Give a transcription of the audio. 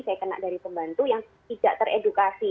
saya kena dari pembantu yang tidak teredukasi